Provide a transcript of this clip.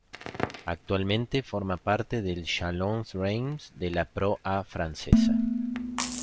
Actualmente forma parte del Châlons Reims de la Pro A francesa.